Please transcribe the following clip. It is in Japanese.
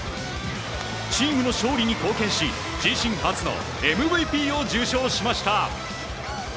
チームの勝利に貢献し自身初のＭＶＰを受賞しました。